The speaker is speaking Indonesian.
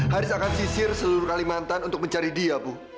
haris akan sisir seluruh kalimantan untuk mencari dia bu